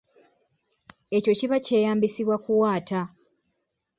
Ekyo kiba kyeyambisibwa kuwaata.